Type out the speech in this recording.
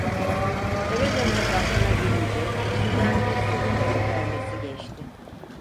Eve dönmek aklına gelince içinden bir sevinç ürpermesi geçti.